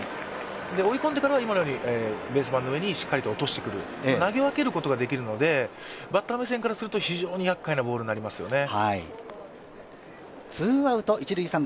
追い込んでからは今のようにベース盤の上にしっかり投げてくる、投げ分けることができるので、バッター目線からすると非常にやっかいなボールになりますよね。